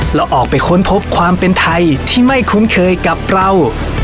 แล้วออกไปค้นพบความเป็นไทยที่ไม่คุ้นเคยกับเรา